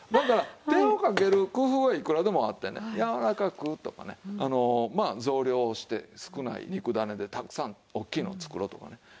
だから手をかける工夫はいくらでもあってねやわらかくとかねまあ増量して少ない肉だねでたくさん大きいのを作ろうとかね。